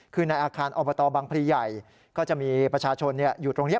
คือในอาคารอบตบังพลีใหญ่ก็จะมีประชาชนอยู่ตรงนี้